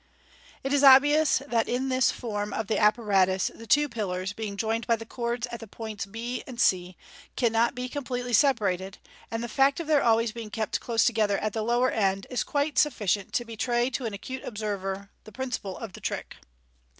MODERN MAGIC. 331 It is obvious that in this form of the apparatus the two pillars, being joined by the cords at the points b c, cannot be completely separated, and the fact of their always being kept close together at the lower end is quite sufficient to betray to an acute observer the prin ciple of the trick.